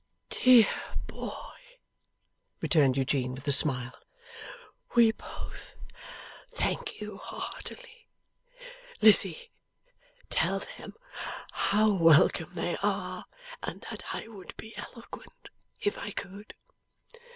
'Dear boy!' returned Eugene with a smile, 'we both thank you heartily. Lizzie, tell them how welcome they are, and that I would be eloquent if I could.